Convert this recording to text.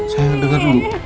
saya dengar dulu